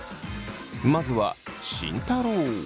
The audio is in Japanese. まずは慎太郎。